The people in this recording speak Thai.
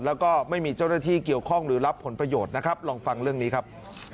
แล้วก็ไม่มีเจ้าหน้าที่เกี่ยวข้องหรือรับผลประโยชน์นะครับลองฟังเรื่องนี้ครับ